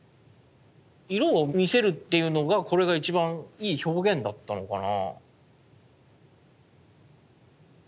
色を見せるっていうのがこれが一番いい表現だったのかな。